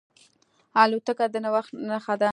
الوتکه د نوښت نښه ده.